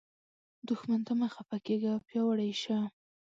دښمن ته مه خفه کیږه، پیاوړی شه